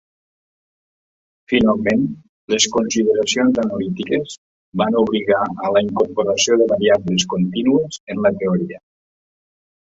Finalment, les consideracions analítiques van obligar a la incorporació de variables contínues en la teoria.